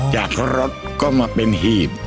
จากรถก็มาเป็นหีบ